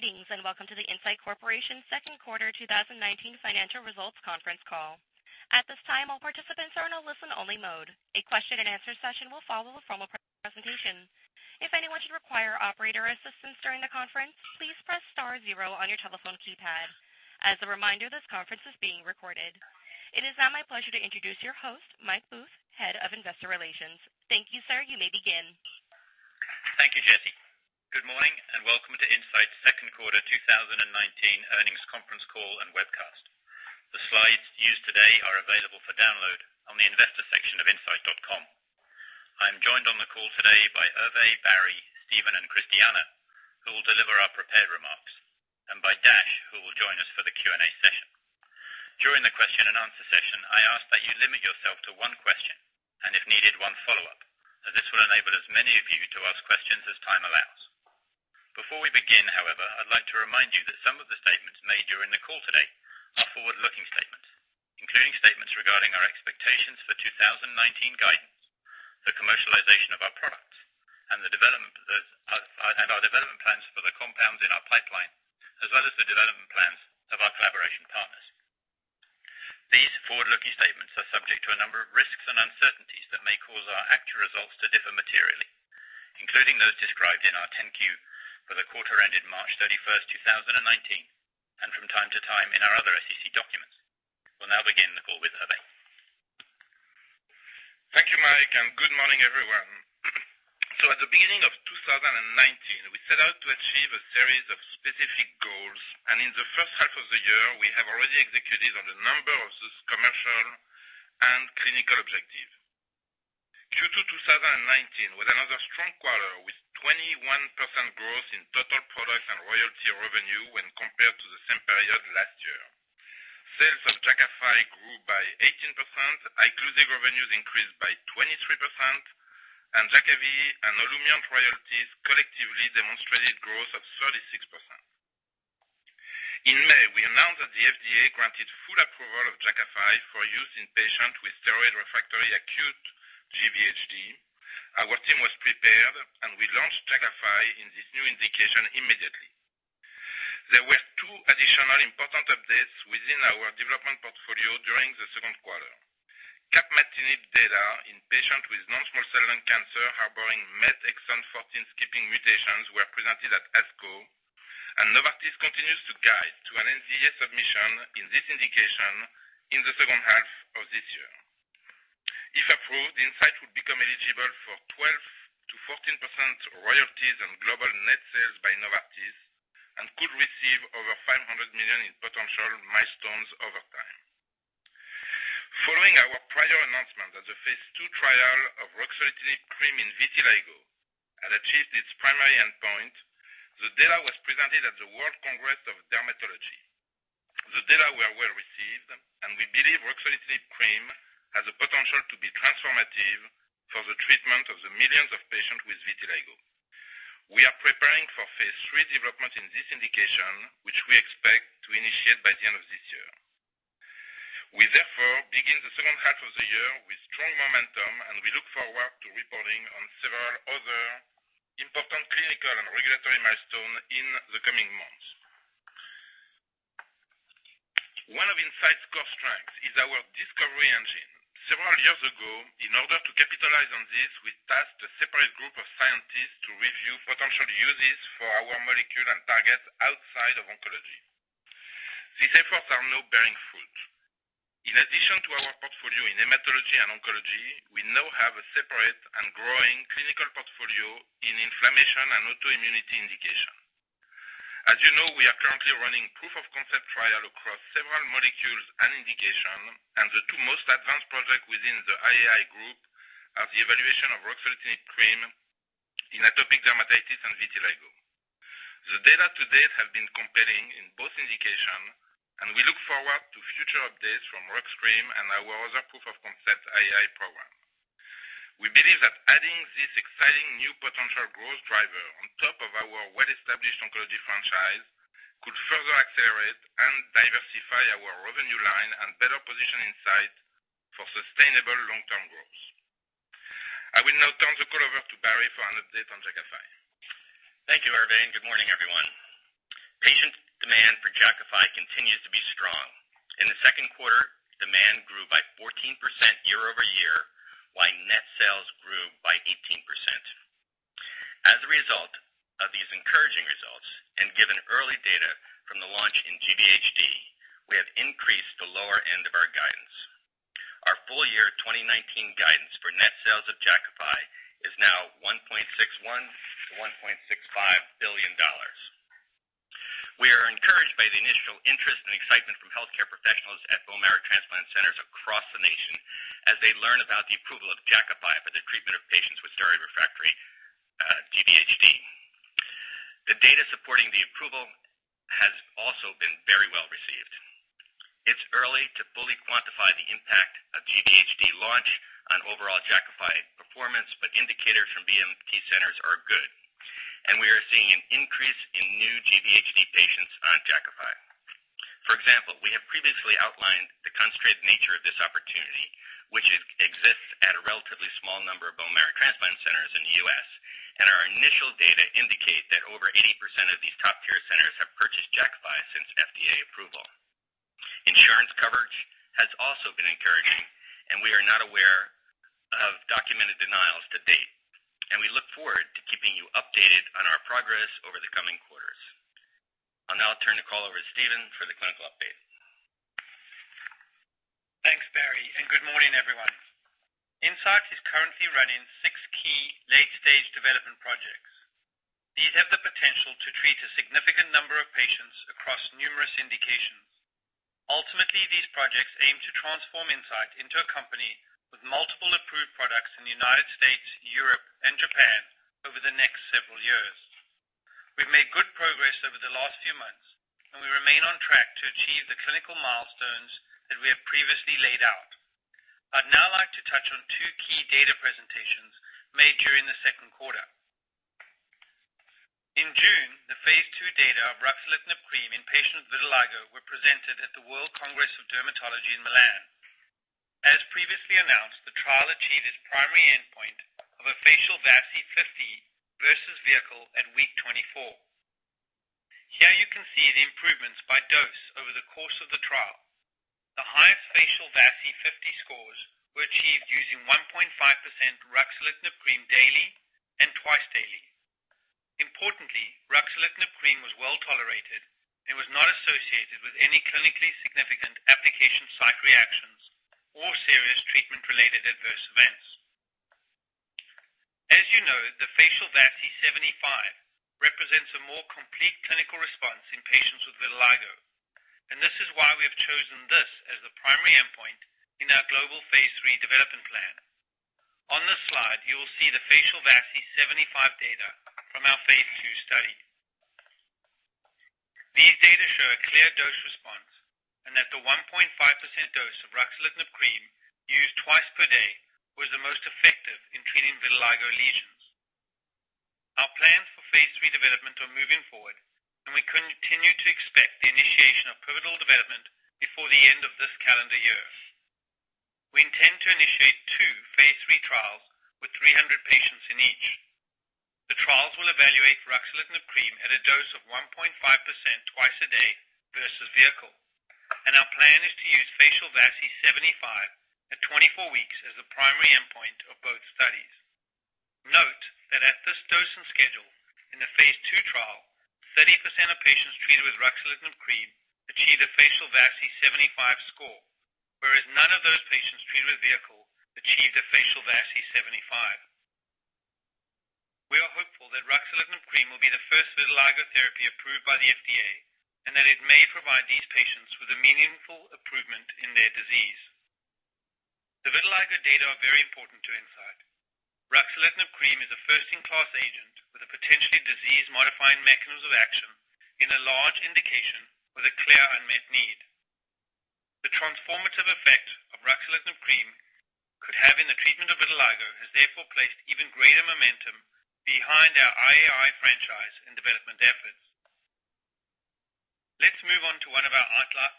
Greetings, and welcome to the Incyte Corporation's second quarter 2019 financial results conference call. At this time, all participants are in a listen-only mode. A question and answer session will follow the formal presentation. If anyone should require operator assistance during the conference, please press star zero on your telephone keypad. As a reminder, this conference is being recorded. It is now my pleasure to introduce your host, Mike Booth, Head of Investor Relations. Thank you, sir. You may begin. Thank you, Jesse. Good morning and welcome to Incyte's second quarter 2019 earnings conference call and webcast. The slides used today are available for download on the investor section of incyte.com. I am joined on the call today by Hervé, Barry, Steven, and Christiana, who will deliver our prepared remarks, and by Dash, who will join us for the Q&A session. During the question and answer session, I ask that you limit yourself to one question, and if needed, one follow-up, as this will enable as many of you to ask questions as time allows. Before we begin, however, I'd like to remind you that some of the statements made during the call today are forward-looking statements, including statements regarding our expectations for 2019 guidance, the commercialization of our products, and our development plans for the compounds in our pipeline, as well as the development plans of our collaboration partners. These forward-looking statements are subject to a number of risks and uncertainties that may cause our actual results to differ materially, including those described in our 10-Q for the quarter ended March 31st, 2019, and from time to time in our other SEC documents. We'll now begin the call with Hervé. Thank you, Mike. Good morning, everyone. At the beginning of 2019, we set out to achieve a series of specific goals, and in the first half of the year, we have already executed on a number of those commercial and clinical objectives. Q2 2019 was another strong quarter, with 21% growth in total products and royalty revenue when compared to the same period last year. Sales of Jakafi grew by 18%, ICLUSIG revenues increased by 23%, and Jakafi and OLUMIANT royalties collectively demonstrated growth of 36%. In May, we announced that the FDA granted full approval of Jakafi for use in patients with steroid-refractory acute GVHD. Our team was prepared, and we launched Jakafi in this new indication immediately. There were two additional important updates within our development portfolio during the second quarter. Capmatinib data in patients with non-small cell lung cancer harboring MET exon 14 skipping mutations were presented at ASCO. Novartis continues to guide to an NDA submission in this indication in the second half of this year. If approved, Incyte would become eligible for 12%-14% royalties on global net sales by Novartis and could receive over $500 million in potential milestones over time. Following our prior announcement that the phase II trial of ruxolitinib cream in vitiligo had achieved its primary endpoint, the data was presented at the World Congress of Dermatology. The data were well-received. We believe ruxolitinib cream has the potential to be transformative for the treatment of the millions of patients with vitiligo. We are preparing for phase III development in this indication, which we expect to initiate by the end of this year. We therefore begin the second half of the year with strong momentum, and we look forward to reporting on several other important clinical and regulatory milestones in the coming months. One of Incyte's core strengths is our discovery engine. Several years ago, in order to capitalize on this, we tasked a separate group of scientists to review potential uses for our molecule and targets outside of oncology. These efforts are now bearing fruit. In addition to our portfolio in hematology and oncology, we now have a separate and growing clinical portfolio in inflammation and autoimmunity indication. As you know, we are currently running proof-of-concept trial across several molecules and indication, and the two most advanced projects within the IAI group are the evaluation of ruxolitinib cream in atopic dermatitis and vitiligo. The data to date have been compelling in both indications, and we look forward to future updates from ruxolitinib cream and our other proof-of-concept IAI program. We believe that adding this exciting new potential growth driver on top of our well-established oncology franchise could further accelerate and diversify our revenue line and better position Incyte for sustainable long-term growth. I will now turn the call over to Barry for an update on Jakafi. Thank you, Hervé, and good morning, everyone. Patient demand for Jakafi continues to be strong. In the second quarter, demand grew by 14% year-over-year, while net sales grew by 18%. As a result of these encouraging results, and given early data from the launch in GVHD, we have increased the lower end of our guidance. Our full-year 2019 guidance for net sales of Jakafi is now $1.61 billion-$1.65 billion. We are encouraged by the initial interest and excitement from healthcare professionals at bone marrow transplant centers across the nation as they learn about the approval of Jakafi for the treatment of patients with steroid-refractory GVHD. The data supporting the approval has also been very well received. It's early to fully quantify the impact of GVHD launch on overall Jakafi performance, but indicators from BMT centers are good. We are seeing an increase in new GVHD patients on Jakafi. For example, we have previously outlined the concentrated nature of this opportunity, which exists at a relatively small number of bone marrow transplant centers in the U.S. Our initial data indicate that over 80% of these top-tier centers have purchased Jakafi since FDA approval. Insurance coverage has also been encouraging. We are not aware of documented denials to date. We look forward to keeping you updated on our progress over the coming quarters. I'll now turn the call over to Steven for the clinical update. Thanks, Barry. Good morning, everyone. Incyte is currently running six key late-stage development projects. These have the potential to treat a significant number of patients across numerous indications. Ultimately, these projects aim to transform Incyte into a company with multiple approved products in the U.S., Europe, and Japan over the next several years. We've made good progress over the last few months. We remain on track to achieve the clinical milestones that we have previously laid out. I'd now like to touch on two key data presentations made during the second quarter. In June, the phase II data of ruxolitinib cream in patients with vitiligo were presented at the World Congress of Dermatology in Milan. As previously announced, the trial achieved its primary endpoint of a facial VASI 50 versus vehicle at week 24. Here you can see the improvements by dose over the course of the trial. The highest facial VASI 50 scores were achieved using 1.5% ruxolitinib cream daily and twice daily. Importantly, ruxolitinib cream was well-tolerated and was not associated with any clinically significant application site reactions or serious treatment-related adverse events. As you know, the facial VASI 75 represents a more complete clinical response in patients with vitiligo, and this is why we have chosen this as the primary endpoint in our global phase III development plan. On this slide, you will see the facial VASI 75 data from our phase II study. These data show a clear dose response and that the 1.5% dose of ruxolitinib cream used twice per day was the most effective in treating vitiligo lesions. Our plans for phase III development are moving forward, and we continue to expect the initiation of pivotal development before the end of this calendar year. We intend to initiate two phase III trials with 300 patients in each. The trials will evaluate ruxolitinib cream at a dose of 1.5% twice a day versus vehicle. Our plan is to use facial VASI 75 at 24 weeks as the primary endpoint of both studies. Note that at this dose and schedule in the phase II trial, 30% of patients treated with ruxolitinib cream achieved a facial VASI 75 score, whereas none of those patients treated with vehicle achieved a facial VASI 75. We are hopeful that ruxolitinib cream will be the first vitiligo therapy approved by the FDA, and that it may provide these patients with a meaningful improvement in their disease. The vitiligo data are very important to Incyte. Ruxolitinib cream is a first-in-class agent with a potentially disease-modifying mechanism of action in a large indication with a clear unmet need. The transformative effect of ruxolitinib cream could have in the treatment of vitiligo has therefore placed even greater momentum behind our IAI franchise and development efforts. Let's move on to one of our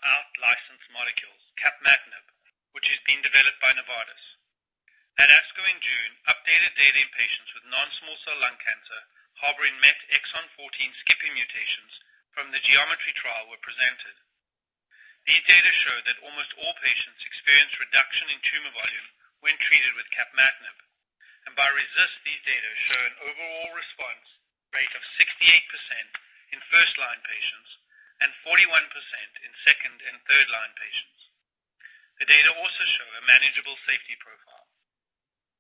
out-licensed molecules, capmatinib, which is being developed by Novartis. At ASCO in June, updated data in patients with non-small cell lung cancer harboring MET exon 14 skipping mutations from the GEOMETRY trial were presented. These data show that almost all patients experienced reduction in tumor volume when treated with capmatinib, and by RECIST, these data show an overall response rate of 68% in first-line patients and 41% in second and third-line patients. The data also show a manageable safety profile.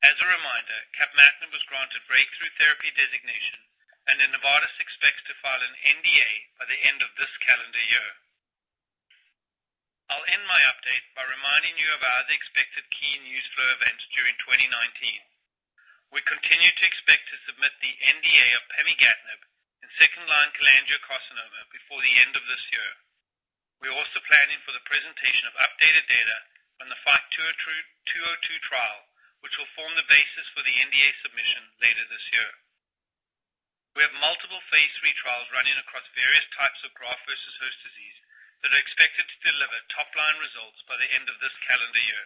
As a reminder, capmatinib was granted breakthrough therapy designation. Novartis expects to file an NDA by the end of this calendar year. I'll end my update by reminding you of our other expected key news flow events during 2019. We continue to expect to submit the NDA of pemigatinib in second-line cholangiocarcinoma before the end of this year. We're also planning for the presentation of updated data from the FIGHT-202 trial, which will form the basis for the NDA submission later this year. We have multiple phase III trials running across various types of Graft-versus-host disease that are expected to deliver top-line results by the end of this calendar year.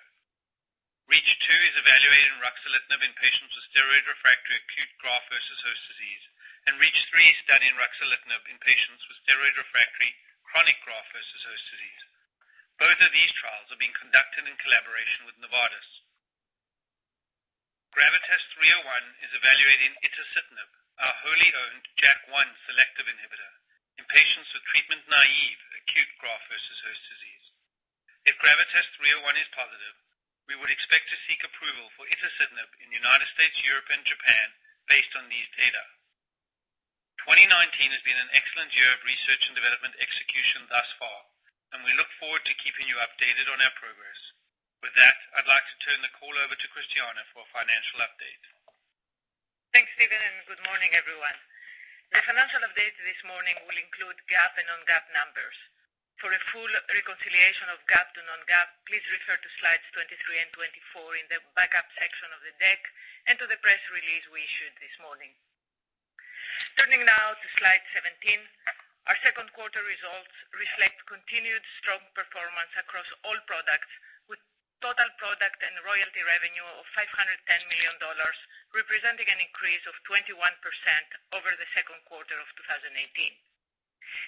REACH2 is evaluating ruxolitinib in patients with steroid-refractory acute Graft-versus-host disease, and REACH3 is studying ruxolitinib in patients with steroid-refractory chronic Graft-versus-host disease. Both of these trials are being conducted in collaboration with Novartis. GRAVITAS-301 is evaluating itacitinib, our wholly-owned JAK1 selective inhibitor, in patients with treatment-naive acute graft-versus-host disease. If GRAVITAS-301 is positive, we would expect to seek approval for itacitinib in the U.S., Europe, and Japan based on these data. 2019 has been an excellent year of research and development execution thus far, and we look forward to keeping you updated on our progress. With that, I'd like to turn the call over to Christiana for a financial update. Thanks, Steven. Good morning, everyone. The financial update this morning will include GAAP and non-GAAP numbers. For a full reconciliation of GAAP to non-GAAP, please refer to slides 23 and 24 in the backup section of the deck and to the press release we issued this morning. Turning now to slide 17. Our second quarter results reflect continued strong performance across all products, with total product and royalty revenue of $510 million, representing an increase of 21% over the second quarter of 2018.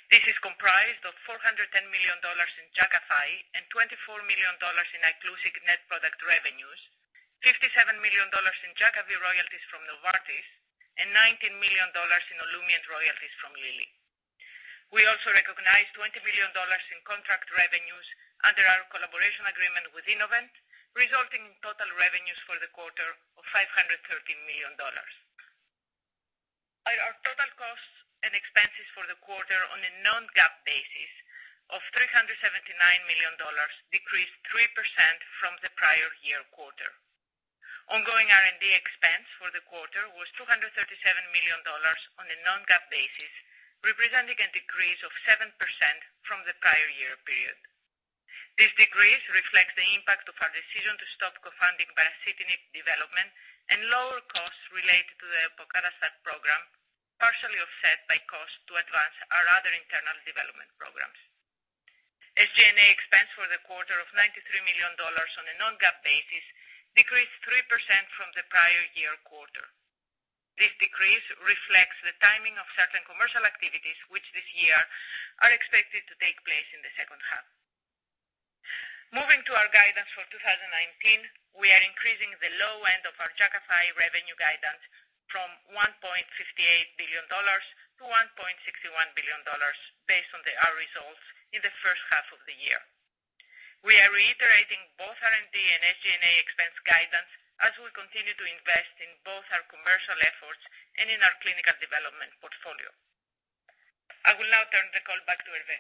This is comprised of $410 million in Jakafi and $24 million in Iclusig net product revenues, $57 million in Jakavi royalties from Novartis, and $19 million in OLUMIANT royalties from Lilly. We also recognized $20 million in contract revenues under our collaboration agreement with Innovent, resulting in total revenues for the quarter of $513 million. Our total costs and expenses for the quarter on a non-GAAP basis of $379 million decreased 3% from the prior year quarter. Ongoing R&D expense for the quarter was $237 million on a non-GAAP basis, representing a decrease of 7% from the prior year period. This decrease reflects the impact of our decision to stop co-funding baricitinib development and lower costs related to the ponatinib program, partially offset by cost to advance our other internal development programs. SG&A expense for the quarter of $93 million on a non-GAAP basis decreased 3% from the prior year quarter. This decrease reflects the timing of certain commercial activities, which this year are expected to take place in the second half. Moving to our guidance for 2019, we are increasing the low end of our Jakafi revenue guidance from $1.58 billion to $1.61 billion based on our results in the first half of the year. We are reiterating both R&D and SG&A expense guidance as we continue to invest in both our commercial efforts and in our clinical development portfolio. I will now turn the call back to Hervé.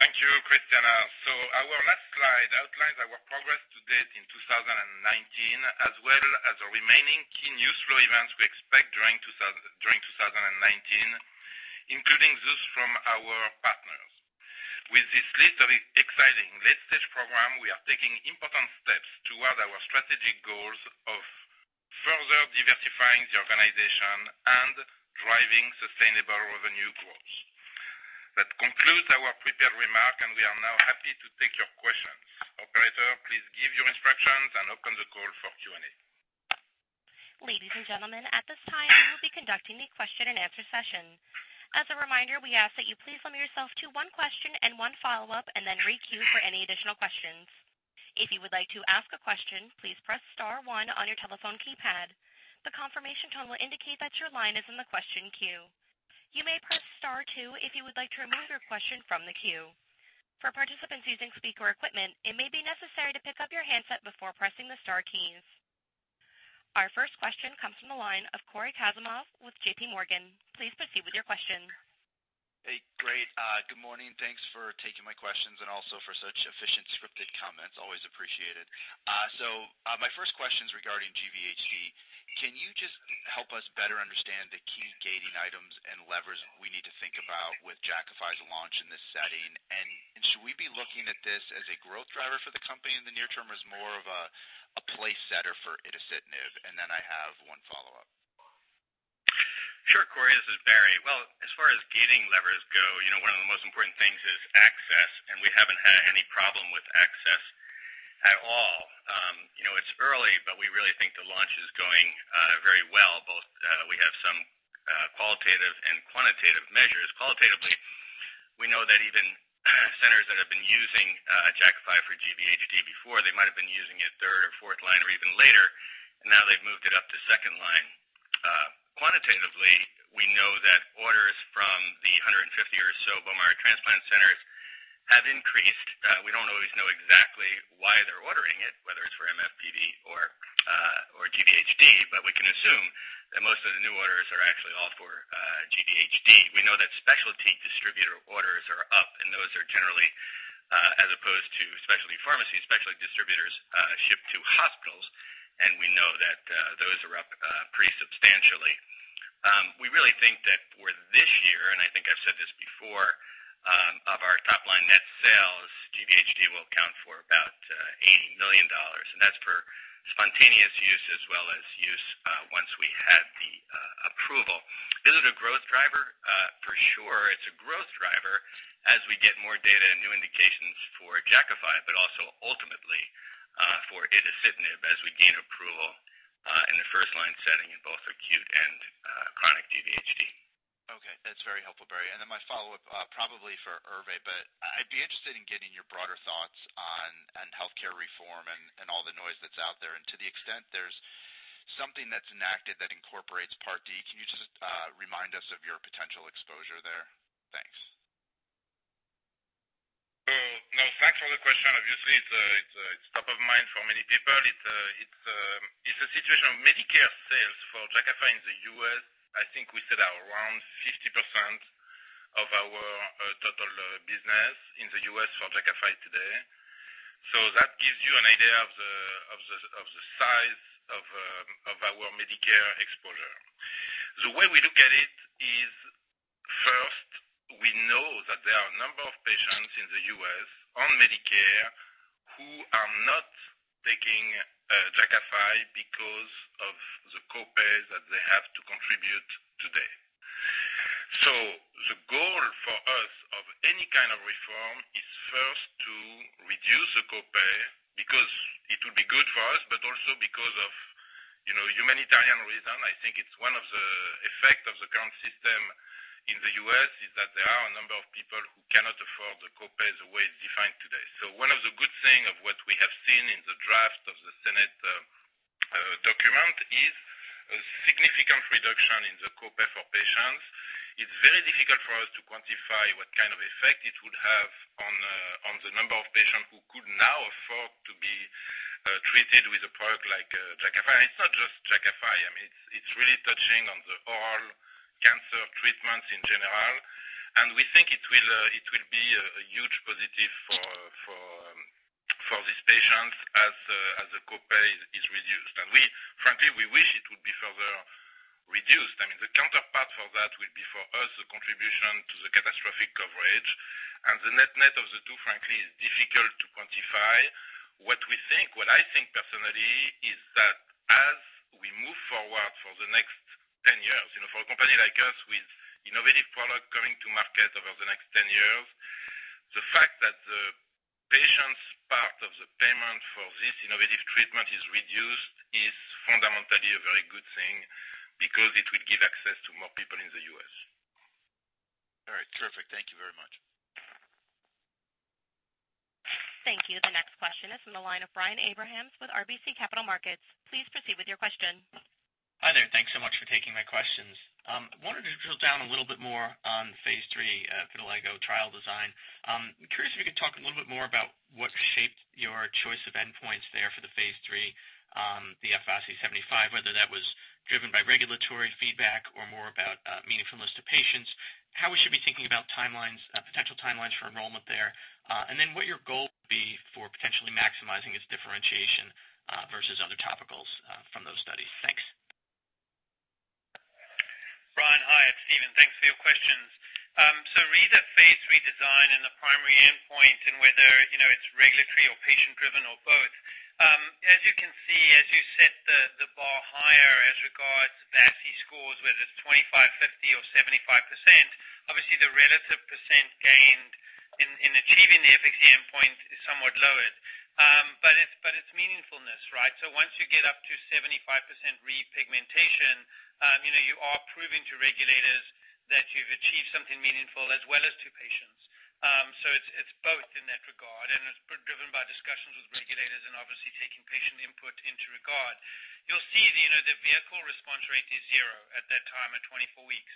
Thank you, Christiana. Our last slide outlines our progress to date in 2019, as well as the remaining key news flow events we expect during 2019, including those from our partners. With this list of exciting late-stage program, we are taking important steps toward our strategic goals of further diversifying the organization and driving sustainable revenue growth. That concludes our prepared remark, and we are now happy to take your questions. Operator, please give your instructions and open the call for Q&A. Ladies and gentlemen, at this time, we will be conducting a question and answer session. As a reminder, we ask that you please limit yourself to one question and one follow-up, and then re-queue for any additional questions. If you would like to ask a question, please press star one on your telephone keypad. The confirmation tone will indicate that your line is in the question queue. You may press star two if you would like to remove your question from the queue. For participants using speaker equipment, it may be necessary to pick up your handset before pressing the star keys. Our first question comes from the line of Cory Kasimov with JPMorgan. Please proceed with your question. Hey, great. Good morning. Thanks for taking my questions and also for such efficient scripted comments, always appreciated. My first question is regarding GVHD. Can you just help us better understand the key gating items and levers we need to think about with Jakafi's launch in this setting? Should we be looking at this as a growth driver for the company in the near term or as more of a play setter for itacitinib? I have one follow-up. Sure, Cory. This is Barry. Well, as far as gating levers go, one of the most important things is access, and we haven't had any problem with access at all. It's early, but we really think the launch is going very well. Both, we have some qualitative and quantitative measures. Qualitatively, we know that even centers that have been using Jakafi for GVHD before, they might have been using it third or fourth line or even later, and now they've moved it up to second line. Quantitatively, we know that orders from the 150 or so bone marrow transplant centers have increased. We don't always know exactly why they're ordering it, whether it's for MF/PV or GVHD, but we can assume that most of the new orders are actually all for GVHD. We know that specialty distributor orders are up, and those are generally, as opposed to specialty pharmacies, specialty distributors ship to hospitals, and we know that those are up pretty substantially. We really think that for this year, and I think I've said this before, of our top-line net sales, GVHD will account for about $80 million, and that's for spontaneous use as well as use once we have the approval. Is it a growth driver? For sure, it's a growth driver as we get more data and new indications for Jakafi, but also ultimately, for itacitinib as we gain approval, in the first-line setting in both acute and chronic GVHD. Okay, that's very helpful, Barry. Then my follow-up, probably for Hervé, but I'd be interested in getting your broader thoughts on healthcare reform and all the noise that's out there. To the extent there's something that's enacted that incorporates Part D, can you just remind us of your potential exposure there? Thanks. Thanks for the question. Obviously, it's top of mind for many people. It's a situation of Medicare sales for Jakafi in the U.S. I think we said around 50% of our total business in the U.S. for Jakafi today. That gives you an idea of the size of our Medicare exposure. The way we look at it is on Medicare who are not taking Jakafi because of the co-pays that they have to contribute today. The goal for us of any kind of reform is first to reduce the co-pay because it will be good for us, but also because of humanitarian reason. I think it's one of the effects of the current system in the U.S., is that there are a number of people who cannot afford the co-pays the way it's defined today. One of the good things of what we have seen in the draft of the Senate document is a significant reduction in the co-pay for patients. It's very difficult for us to quantify what kind of effect it would have on the number of patients who could now afford to be treated with a product like Jakafi. It's not just Jakafi. It's really touching on the oral cancer treatments in general, and we think it will be a huge positive for these patients as the co-pay is reduced. Frankly, we wish it would be further reduced. The counterpart for that will be, for us, the contribution to the catastrophic coverage. The net-net of the two, frankly, is difficult to quantify. What we think, what I think personally, is that as we move forward for the next 10 years, for a company like us with innovative product coming to market over the next 10 years, the fact that the patient's part of the payment for this innovative treatment is reduced is fundamentally a very good thing because it will give access to more people in the U.S. All right. Perfect. Thank you very much. Thank you. The next question is from the line of Brian Abrahams with RBC Capital Markets. Please proceed with your question. Hi there. Thanks so much for taking my questions. I wanted to drill down a little bit more on phase III for the vitiligo trial design. I'm curious if you could talk a little bit more about what shaped your choice of endpoints there for the phase III, the VASI 75, whether that was driven by regulatory feedback or more about meaningfulness to patients, how we should be thinking about potential timelines for enrollment there. What your goal would be for potentially maximizing its differentiation versus other topicals from those studies. Thanks. Brian. Hi, it's Steven. Thanks for your questions. Re: the phase III design and the primary endpoint and whether it's regulatory or patient driven or both. As you can see, as you set the bar higher as regards to VASI scores, whether it's 25%, 50% or 75%, obviously the relative % gained in achieving the efficacy endpoint is somewhat lowered. It's meaningfulness, right? Once you get up to 75% repigmentation, you are proving to regulators that you've achieved something meaningful as well as to patients. It's both in that regard, and it's driven by discussions with regulators and obviously taking patient input into regard. You'll see the vehicle response rate is 0 at that time at 24 weeks.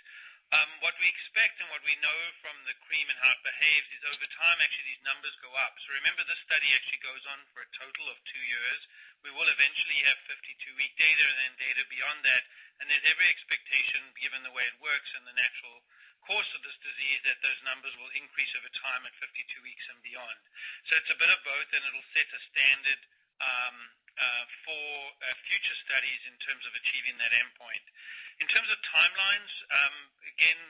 What we expect and what we know from the ruxolitinib cream and how it behaves is over time, actually, these numbers go up. Remember, this study actually goes on for a total of two years. We will eventually have 52-week data and then data beyond that. There's every expectation, given the way it works and the natural course of this disease, that those numbers will increase over time at 52 weeks and beyond. It's a bit of both, and it'll set a standard for future studies in terms of achieving that endpoint. In terms of timelines, again,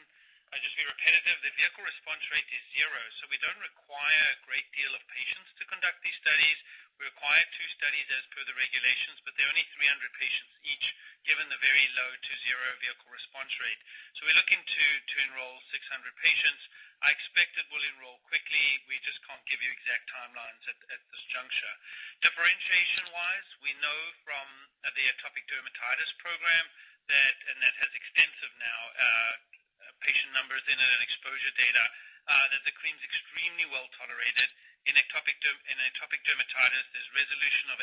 I'll just be repetitive. The vehicle response rate is zero, so we don't require a great deal of patients to conduct these studies. We require two studies as per the regulations, but they're only 300 patients each, given the very low to zero vehicle response rate. We're looking to enroll 600 patients. I expect that we'll enroll quickly. We just can't give you exact timelines at this juncture. Differentiation-wise, we know from the atopic dermatitis program, and that has extensive patient numbers in it and exposure data, that the cream's extremely well-tolerated. In atopic dermatitis, there's resolution of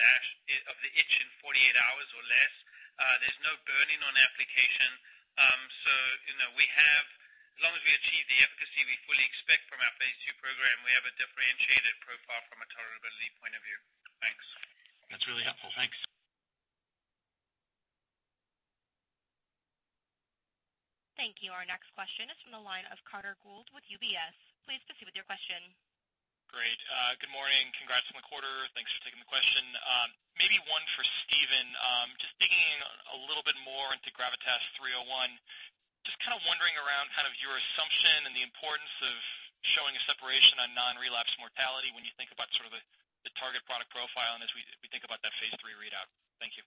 the itch in 48 hours or less. There's no burning on application. As long as we achieve the efficacy we fully expect from our phase II program, we have a differentiated profile from a tolerability point of view. Thanks. That's really helpful. Thanks. Thank you. Our next question is from the line of Carter Gould with UBS. Please proceed with your question. Great. Good morning. Congrats on the quarter. Thanks for taking the question. Maybe one for Steven. Just digging in a little bit more into GRAVITAS-301. Just kind of wondering around your assumption and the importance of showing a separation on non-relapse mortality when you think about the target product profile and as we think about that phase III readout. Thank you.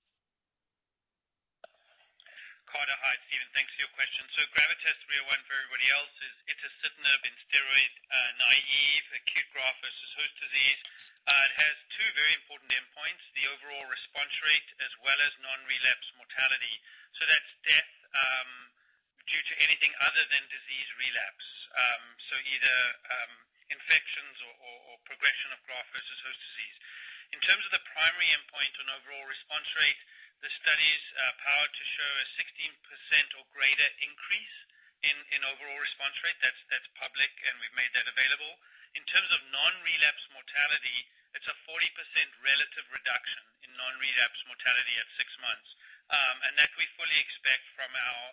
Carter. Hi, it's Steven. Thanks for your question. GRAVITAS-301, for everybody else, it's an itacitinib in steroid-naive, acute graft-versus-host disease. It has two very important endpoints, the overall response rate as well as non-relapse mortality. That's death due to anything other than disease relapse. Either infections or progression of graft-versus-host disease. In terms of the primary endpoint on overall response rate, the study's powered to show a 16% or greater increase in overall response rate. That's public, and we've made that available. In terms of non-relapse mortality, it's a 40% relative reduction in non-relapse mortality at six months. That we fully expect from our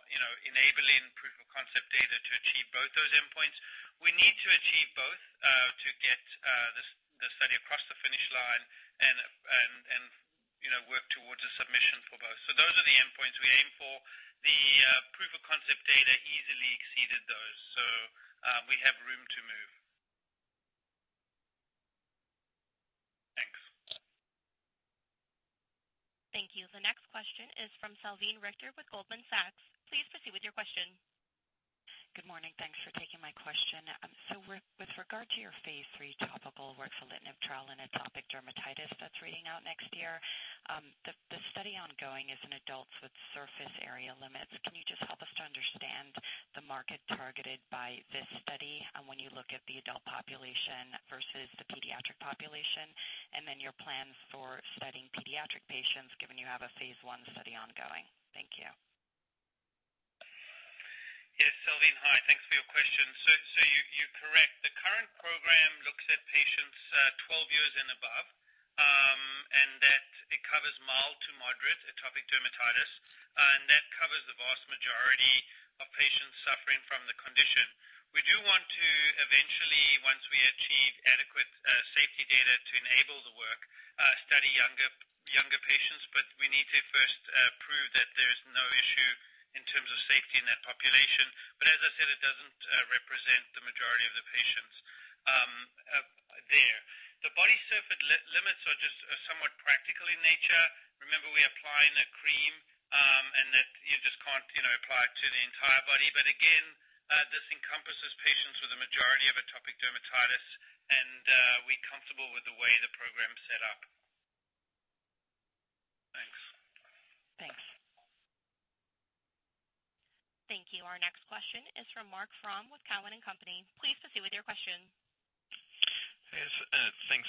enabling proof of concept data to achieve both those endpoints. We need to achieve both to get the study across the finish line and Work towards a submission for both. Those are the endpoints we aim for. The proof of concept data easily exceeded those. We have room to move. Thanks. Thank you. The next question is from Salveen Richter with Goldman Sachs. Please proceed with your question. Good morning. Thanks for taking my question. With regard to your phase III topical ruxolitinib trial in atopic dermatitis that's reading out next year, the study ongoing is in adults with surface area limits. Can you just help us to understand the market targeted by this study and when you look at the adult population versus the pediatric population? Your plans for studying pediatric patients, given you have a phase I study ongoing. Thank you. Yes, Salveen, hi. Thanks for your question. You're correct. The current program looks at patients 12 years and above, and that it covers mild to moderate atopic dermatitis, and that covers the vast majority of patients suffering from the condition. We do want to eventually, once we achieve adequate safety data to enable the work, study younger patients. We need to first prove that there's no issue in terms of safety in that population. As I said, it doesn't represent the majority of the patients there. The body surface limits are just somewhat practical in nature. Remember, we apply a cream, and that you just can't apply it to the entire body. Again, this encompasses patients with the majority of atopic dermatitis, and we're comfortable with the way the program's set up. Thanks. Thank you. Our next question is from Marc Frahm with Cowen and Company. Please proceed with your question. Yes, thanks.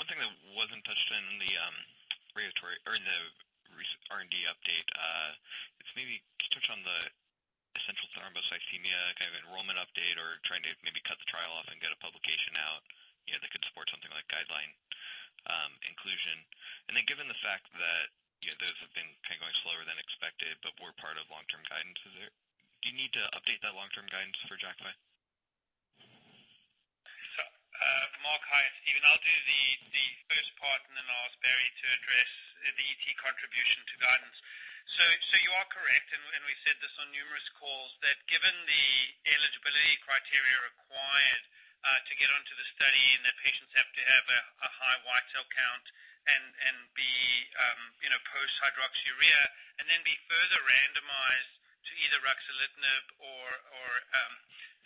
One thing that wasn't touched in the R&D update. If maybe just touch on the essential thrombocythemia kind of enrollment update or trying to maybe cut the trial off and get a publication out that could support something like guideline inclusion. Given the fact that those have been kind of going slower than expected but were part of long-term guidance, do you need to update that long-term guidance for Jakafi? Marc, hi, it's Steven. I'll do the first part, and then I'll ask Barry to address the ET contribution to guidance. You are correct, and we said this on numerous calls, that given the eligibility criteria required to get onto the study and that patients have to have a high white cell count and be post hydroxyurea and then be further randomized to either ruxolitinib or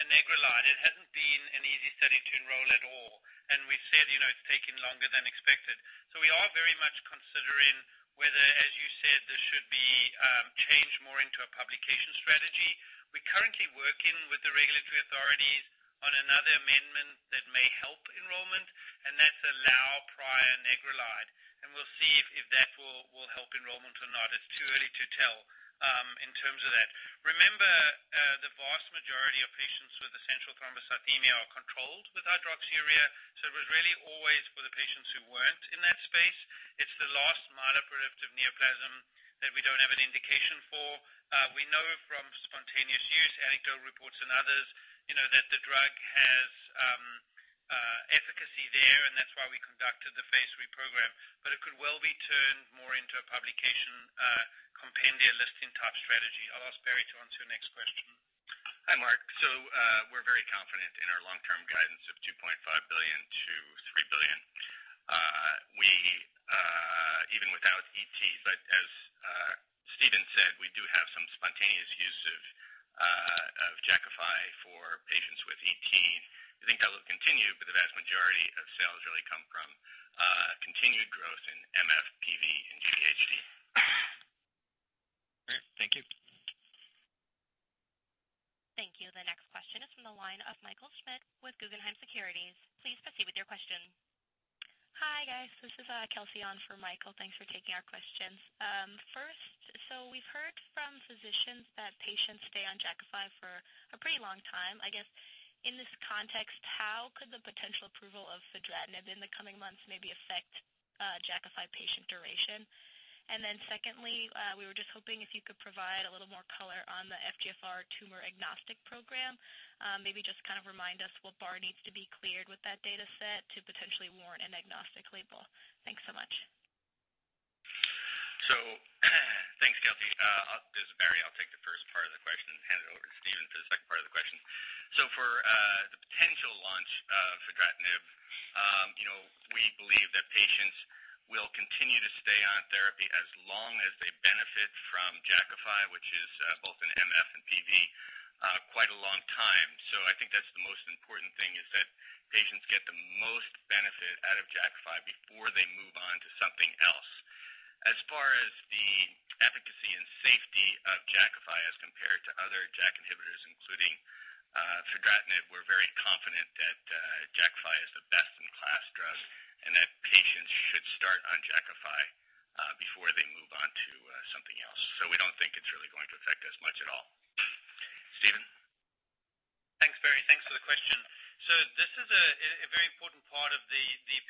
anagrelide. It hasn't been an easy study to enroll at all, and we said it's taking longer than expected. We are very much considering whether, as you said, this should be changed more into a publication strategy. We're currently working with the regulatory authorities on another amendment that may help enrollment, and that's allow prior anagrelide, and we'll see if that will help enrollment or not. It's too early to tell in terms of that. Remember, the vast majority of patients with essential thrombocythemia are controlled with hydroxyurea. It was really always for the patients who weren't in that space. It's the last myeloproliferative neoplasm that we don't have an indication for. We know from spontaneous use, anecdotal reports, and others, that the drug has efficacy there, and that's why we conducted the phase III program. It could well be turned more into a publication compendia listing type strategy. I'll ask Barry to answer your next question. Hi, Marc. We're very confident in our long-term guidance of $2.5 billion-$3 billion. Even without ET, but as Steven said, we do have some spontaneous use of Jakafi for patients with ET. We think that will continue, but the vast majority of sales really come from continued growth in MF, PV, and GVHD. Great. Thank you. Thank you. The next question is from the line of Michael Schmidt with Guggenheim Securities. Please proceed with your question. Hi, guys. This is Kelsey on for Michael. Thanks for taking our questions. First, we've heard from physicians that patients stay on Jakafi for a pretty long time. I guess in this context, how could the potential approval of fedratinib in the coming months maybe affect Jakafi patient duration? Secondly, we were just hoping if you could provide a little more color on the FGFR tumor agnostic program. Maybe just kind of remind us what bar needs to be cleared with that data set to potentially warrant an agnostic label. Thanks so much. Thanks, Kelsey. This is Barry. I'll take the first part of the question and hand it over to Steven for the second part of the question. For the potential launch of fedratinib, we believe that patients will continue to stay on therapy as long as they benefit from Jakafi, which is both in MF and PV, quite a long time. I think that's the most important thing is that patients get the most benefit out of Jakafi before they move on to something else. As far as the efficacy and safety of Jakafi as compared to other JAK inhibitors, including fedratinib, we're very confident that Jakafi is the best-in-class drug and that patients should start on Jakafi before they move on to something else. We don't think it's really going to affect us much at all. Steven? Thanks, Barry. Thanks for the question. This is a very important part of the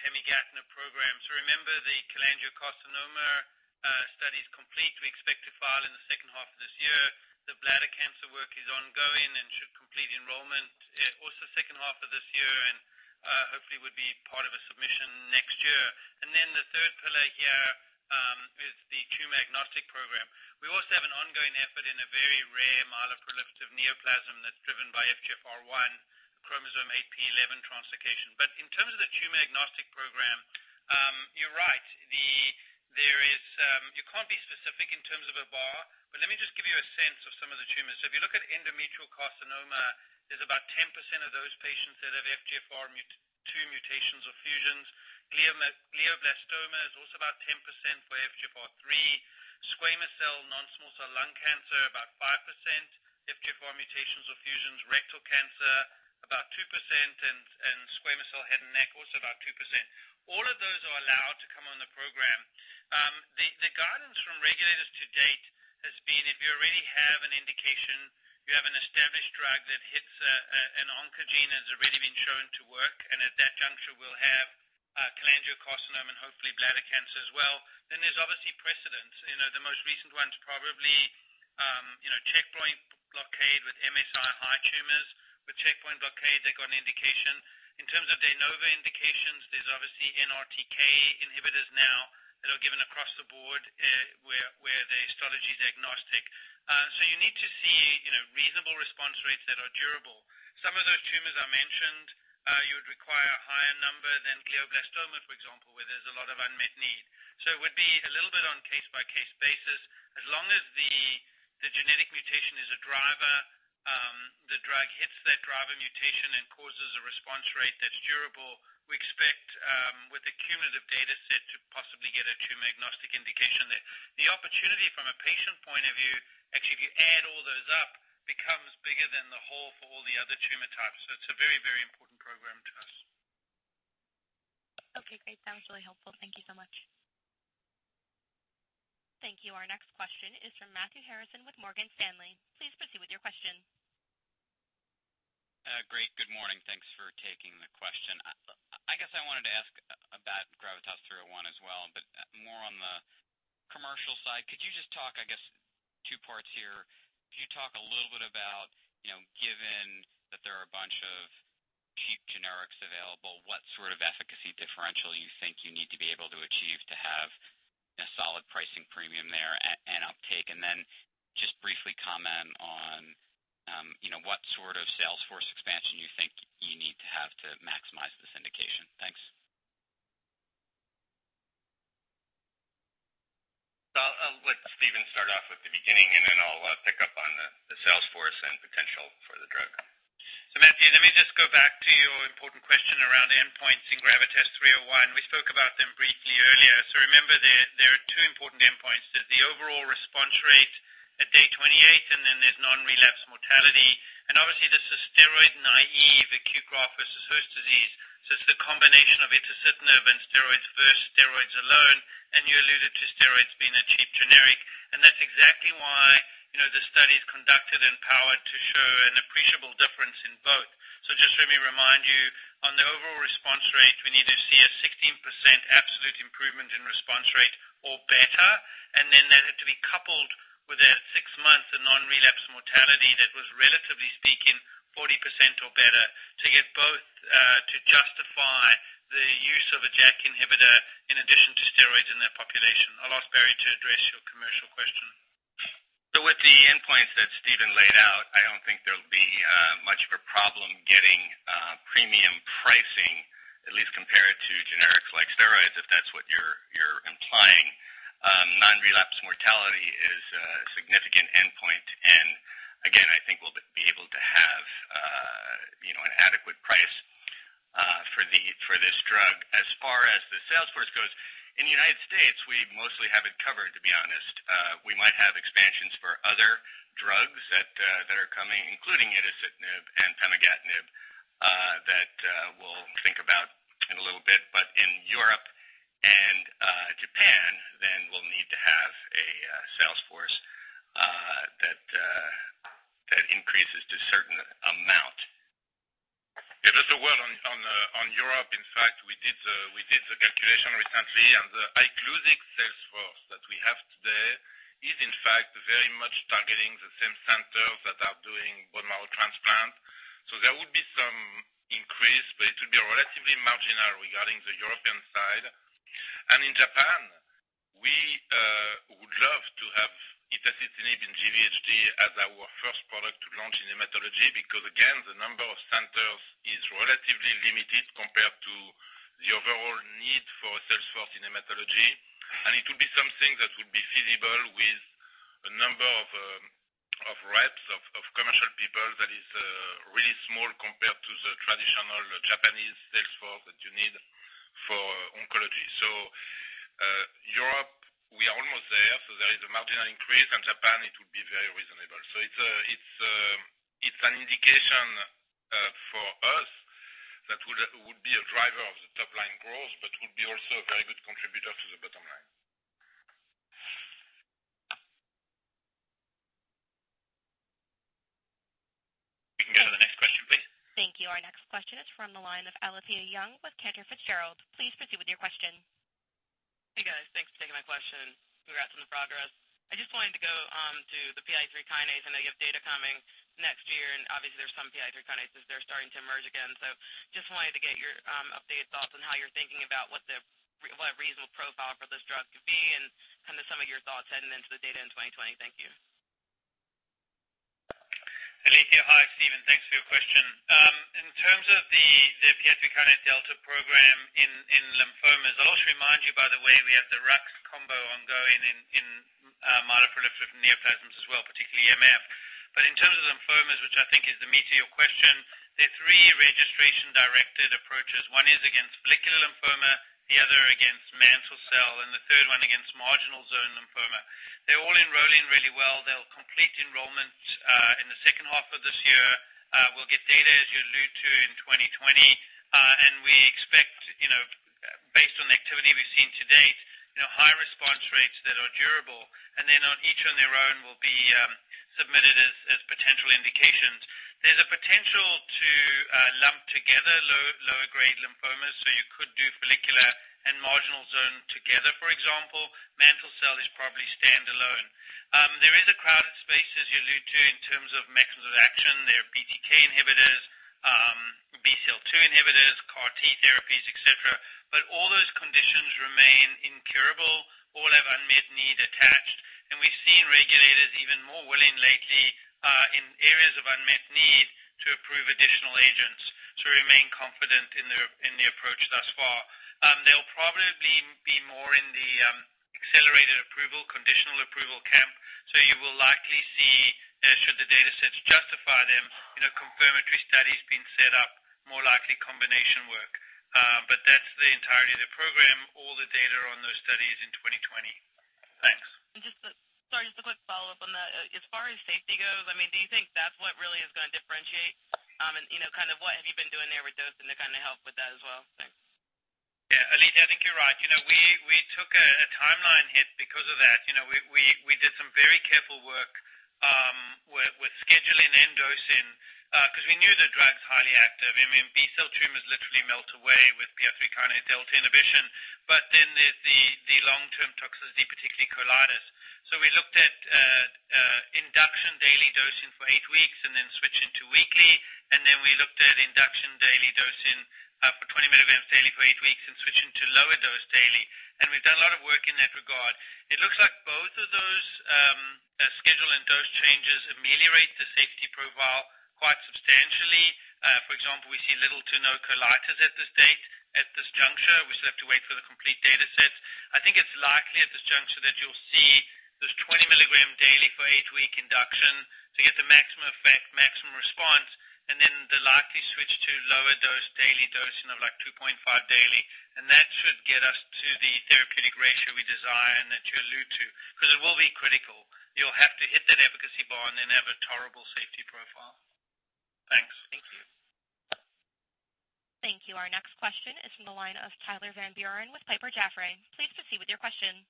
pemigatinib program. Remember the cholangiocarcinoma study is complete. We expect to file in the second half of this year. The bladder cancer work is ongoing and should complete enrollment also second half of this year, and hopefully would be part of a submission next year. The third pillar here is the tumor-agnostic program. We also have an ongoing effort in a very rare myeloproliferative neoplasm that's driven by FGFR1 chromosome 8p11 translocation. In terms of the tumor-agnostic program, you're right. You can't be specific in terms of a bar, but let me just give you a sense of some of the tumors. If you look at endometrial carcinoma, there's about 10% of those patients that have FGFR2 mutations or fusions. Glioblastoma is also about 10% for FGFR3. Squamous cell, non-small cell lung cancer, about 5% FGFR mutations or fusions. Rectal cancer, about 2%, and squamous cell head and neck, also about 2%. All of those are allowed to come on the program. The guidance from regulators to date has been if you already have an indication, you have an established drug that hits an oncogene that's already been shown to work, and at that juncture we'll have cholangiocarcinoma and hopefully bladder cancer as well. There's obviously precedents. The most recent ones probably, checkpoint blockade with MSI-high tumors. With checkpoint blockade, they've got an indication. In terms of de novo indications, there's obviously NTRK inhibitors now that are given across the board, where the histology is agnostic. You need to see reasonable response rates that are durable. Some of those tumors I mentioned you would require a higher number than glioblastoma, for example, where there's a lot of unmet need. It would be a little bit on case-by-case basis. As long as the genetic mutation is a driver, the drug hits that driver mutation and causes a response rate that's durable, we expect with a cumulative data set to possibly get a tumor-agnostic indication there. The opportunity from a patient point of view, actually, if you add all those up, becomes bigger than the whole for all the other tumor types. It's a very, very important program to us. Okay, great. Sounds really helpful. Thank you so much. Thank you. Our next question is from Matthew Harrison with Morgan Stanley. Please proceed with your question. Great. Good morning. Thanks for taking the question. I guess I wanted to ask about GRAVITAS-301 as well, but more on the commercial side. Could you just talk, I guess two parts here. Could you talk a little bit about, given that there are a bunch of cheap generics available, what sort of efficacy differential you think you need to be able to achieve to have a solid pricing premium there and uptake? Just briefly comment on what sort of sales force expansion you think you need to have to maximize this indication. Thanks. I'll let Steven start off with the beginning, and then I'll pick up on the sales force and potential for the drug. Matthew, let me just go back to your important question around endpoints in GRAVITAS-301. We spoke about them briefly earlier. Remember, there are two important endpoints. There's the overall response rate at day 28, and then there's non-relapse mortality. Obviously, this is steroid-naive acute graft-versus-host disease, so it's the combination of itacitinib and steroids versus steroids alone. You alluded to steroids being a cheap generic, and that's exactly why the study is conducted and powered to show an appreciable difference in both. Just let me remind you, on the overall response rate, we need to see a 16% absolute improvement in response rate or better. That had to be coupled with a 6-month non-relapse mortality that was, relatively speaking, 40% or better, to get both to justify the use of a JAK inhibitor in addition to steroids in that population. I'll ask Barry to address your commercial question. With the endpoints that Steven laid out, I don't think there'll be much of a problem getting premium pricing, at least compared to generics like steroids, if that's what you're implying. Non-relapse mortality is a significant endpoint, and again, I think we'll be able to have an adequate price for this drug. As far as the sales force goes, in the U.S., we mostly have it covered, to be honest. We might have expansions for other drugs that are coming, including itacitinib and pemigatinib, that we'll think about in a little bit. In Europe and Japan, we'll need to have a sales force that increases to a certain amount. It does well in Europe. In fact, we did the calculation recently, and the ICLUSIG sales force that we have today is in fact very much targeting the same centers that are doing bone marrow transplant. There would be some increase, but it would be relatively marginal regarding the European side. In Japan, we would love to have itacitinib in GVHD as our first product to launch in hematology, because again, the number of centers is relatively limited compared to the overall need for a sales force in hematology. It would be something that would be feasible with a number of reps, of commercial people that is really small compared to the traditional Japanese sales force that you need for oncology. Europe, we are almost there. There is a marginal increase. In Japan, it would be very reasonable. It's an indication for us that would be a driver of the top-line growth, but would be also a very good contributor to the bottom line. Thank you. Our next question is from the line of Alethia Young with Cantor Fitzgerald. Please proceed with your question. Hey, guys. Thanks for taking my question. Congrats on the progress. I just wanted to go on to the PI3 kinase. I know you have data coming next year, obviously there's some PI3 kinases that are starting to emerge again. Just wanted to get your updated thoughts on how you're thinking about what a reasonable profile for this drug could be and some of your thoughts heading into the data in 2020. Thank you. Alethia, hi. It's Steven. Thanks for your question. In terms of the PI3 kinase delta program in lymphomas, I'll also remind you, by the way, we have the rux combo ongoing in myeloproliferative neoplasms as well, particularly MF. In terms of lymphomas, which I think is the meat of your question, there are three registration-directed approaches. One is against follicular lymphoma, the other against mantle cell, and the third one against marginal zone lymphoma. They're all enrolling really well. They'll complete enrollment in the second half of this year. We'll get data, as you allude to, in 2020. We expect, based on the activity we've seen to date, high response rates that are durable, then each on their own will be submitted as potential indications. There's a potential to lump together lower-grade lymphomas, so you could do follicular and marginal zone together, for example. Mantle cell is probably standalone. There is a crowded space, as you allude to, in terms of mechanisms of action. There are BTK inhibitors, BCL-2 inhibitors, CAR T therapies, et cetera, but all those conditions remain incurable. All have unmet need attached. We've seen regulators even more willing lately in areas of unmet need to approve additional agents, so we remain confident in the approach thus far. They'll probably be more in the accelerated approval, conditional approval camp. You will likely see, should the data sets justify them, confirmatory studies being set up, more likely combination work. That's the entirety of the program, all the data on those studies in 2020. Thanks. Sorry, just a quick follow-up on that. As far as safety goes, do you think that's what really is going to differentiate, and what have you been doing there with dosing to help with that as well? Thanks. Yeah, Alethia, I think you're right. We took a timeline hit because of that. We did some very careful work with scheduling and dosing, because we knew the drug's highly active. B-cell tumors literally melt away with PI3 kinase delta inhibition. There's the long-term toxicity, particularly colitis. We looked at induction daily dosing for eight weeks and then switching to weekly, and then we looked at induction daily dosing for 20 milligrams daily for eight weeks and switching to lower dose daily. We've done a lot of work in that regard. It looks like both of those schedule and dose changes ameliorate the safety profile quite substantially. For example, we see little to no colitis at this date, at this juncture. We still have to wait for the complete data sets. I think it's likely at this juncture that you'll see those 20 milligrams daily for eight-week induction to get the maximum effect, maximum response, and then the likely switch to lower dose daily dosing of like 2.5 daily. That should get us to the therapeutic ratio we desire and that you allude to. It will be critical. You'll have to hit that efficacy bar and then have a tolerable safety profile. Thanks. Thank you. Thank you. Our next question is from the line of Tyler Van Buren with Piper Jaffray. Please proceed with your question.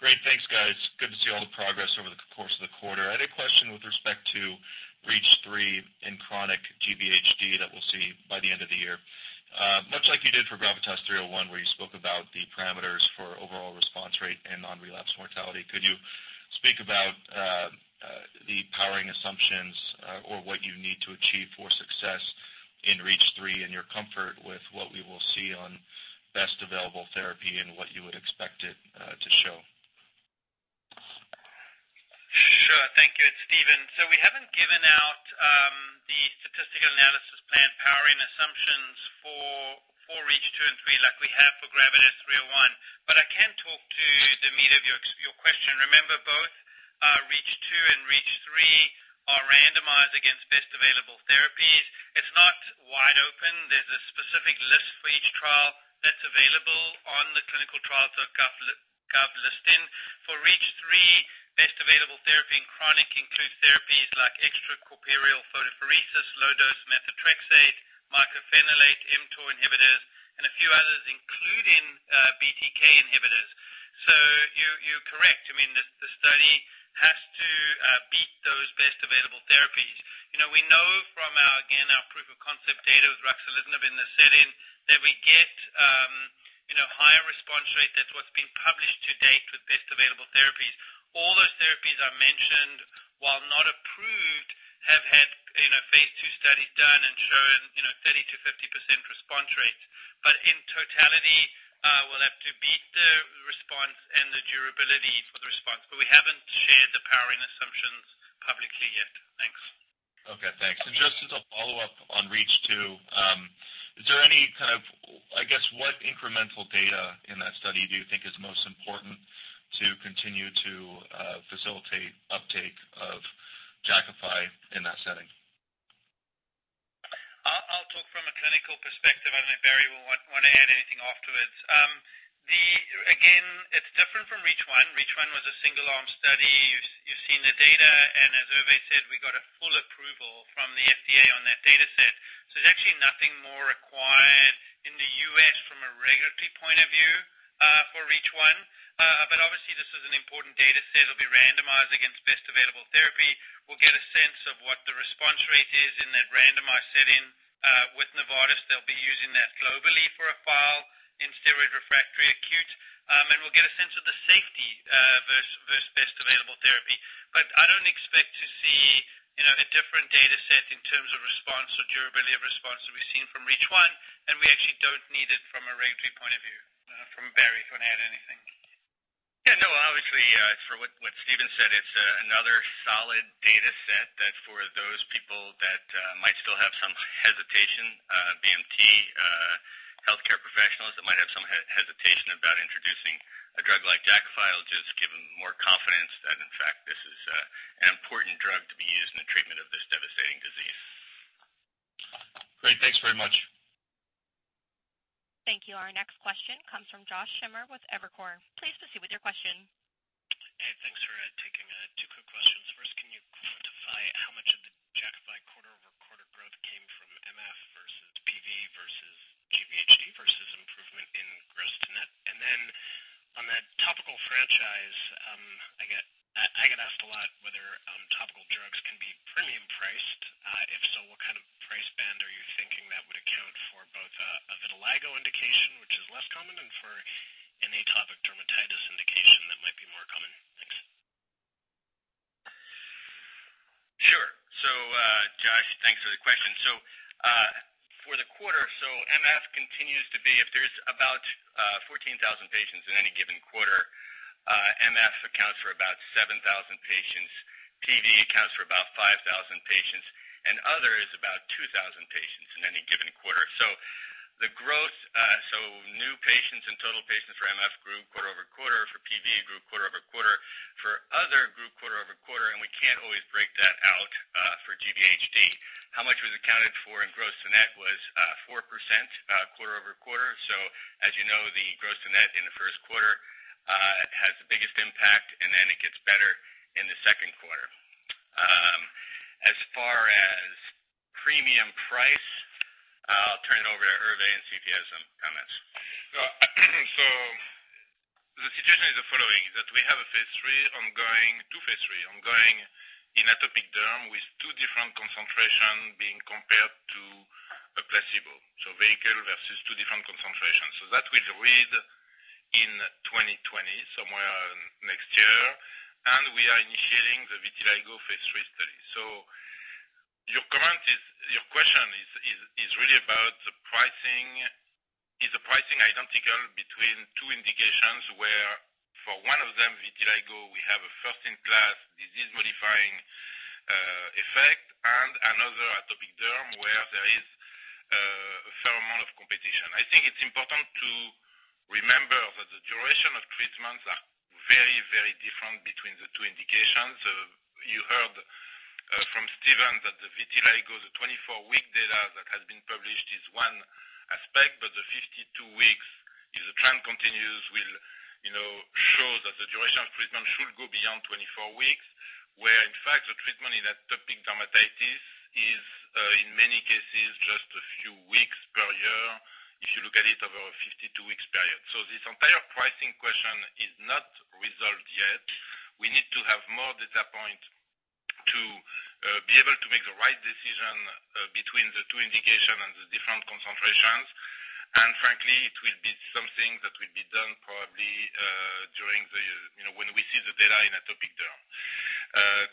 Great. Thanks, guys. Good to see all the progress over the course of the quarter. I had a question with respect to REACH3 in chronic GVHD that we'll see by the end of the year. Much like you did for GRAVITAS-301, where you spoke about the parameters for overall response rate and non-relapse mortality, could you speak about the powering assumptions or what you need to achieve for success in REACH3 and your comfort with what we will see on best available therapy and what you would expect it to show? Sure. Thank you. It's Steven. We haven't given out the statistical analysis plan powering assumptions for REACH2 and REACH3 like we have for GRAVITAS-301. I can talk to the meat of your question. Remember, both REACH2 and REACH3 are randomized against best available therapies. It's not wide open. There's a specific list for each trial that's available on the clinicaltrials.gov listing. For REACH3, best available therapy in chronic includes therapies like extracorporeal photopheresis, low-dose methotrexate, mycophenolate, mTOR inhibitors, and a few others, including BTK inhibitors. You're correct. The study has to beat those best available therapies. We know from, again, our proof of concept data with ruxolitinib in the setting that we get higher response rates. That's what's been published to date with best available therapies. All those therapies I mentioned, while not approved, have had phase II studies done and shown 30%-50% response rates. In totality, we'll have to beat the response and the durability for the response. We haven't shared the powering assumptions publicly yet. Thanks. Okay, thanks. Just as a follow-up on REACH2, I guess what incremental data in that study do you think is most important to continue to facilitate uptake of Jakafi in that setting? I'll talk from a clinical perspective. I don't know if Barry will want to add anything afterwards. Again, it's different from REACH1. REACH1 was a single-arm study. You've seen the data, and as Hervé said, we got a full approval from the FDA on that data set. There's actually nothing more required in the U.S. from a regulatory point of view for REACH1. Obviously, this is an important data set. It'll be randomized against best available therapy. We'll get a sense of what the response rate is in that randomized setting. With Novartis, they'll be using that globally for a file in steroid refractory acute. We'll get a sense of the safety versus best available therapy. I don't expect to see a different data set in terms of response or durability of response that we've seen from REACH1, and we actually don't need it from a regulatory point of view. I don't know, from Barry, do you want to add anything? Yeah, no. Obviously, for what Steven said, it's another solid data set that for those people that might still have some hesitation, BMT, healthcare professionals that might have some hesitation about introducing a drug like Jakafi, it'll just give them more confidence that in fact, this is an important drug to be used in the treatment of this devastating disease. Great. Thanks very much. Thank you. Our next question comes from Josh Schimmer with Evercore. Please proceed with your question. Hey, thanks for taking it. Two quick questions. First, can you quantify how much of the Jakafi quarter-over-quarter growth came from MF versus PV versus GVHD versus improvement in gross to net? On that topical franchise, I get asked a lot whether topical drugs can be premium priced. If so, what kind of price band are you thinking that would account for both a vitiligo indication, which is less common, and for an atopic dermatitis indication that might be more common? Thanks. Sure. Josh, thanks for the question. For the quarter, MF continues to be, if there's about 14,000 patients in any given quarter, MF accounts for about 7,000 patients. PV accounts for about 5,000 patients, and other is about 2,000 patients in any given quarter. The growth, new patients and total patients for MF grew quarter-over-quarter. For PV, it grew quarter-over-quarter. For other, grew quarter-over-quarter. We can't always break that out for GVHD. How much was accounted for in gross to net was 4% quarter-over-quarter. As you know, the gross to net in the first quarter has the biggest impact, and then it gets better in the second quarter. As far as premium price, I'll turn it over to Hervé and see if he has some comments. The situation is the following, that we have a phase III ongoing in atopic derm with two different concentrations being compared to a placebo. Vehicle versus two different concentrations. That will read in 2020, somewhere next year. We are initiating the vitiligo phase III study. Your question is really about the pricing. Is the pricing identical between two indications where for one of them, vitiligo, we have a first in class disease-modifying effect and another, atopic derm, where there is a fair amount of competition? I think it's important to remember that the duration of treatments are very different between the two indications. You heard from Steven that the vitiligo, the 24-week data that has been published is one aspect, but the 52 weeks, if the trend continues, will show that the duration of treatment should go beyond 24 weeks. Wherein fact, the treatment in atopic dermatitis is, in many cases, just a few weeks per year if you look at it over a 52-week period. This entire pricing question is not resolved yet. We need to have more data point to be able to make the right decision between the two indication and the different concentrations. Frankly, it will be something that will be done probably when we see the data in atopic derm.